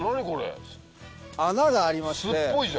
穴がありまして。